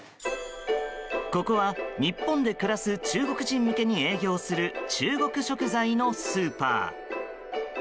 ここは、日本で暮らす中国人向けに営業する中国食材のスーパー。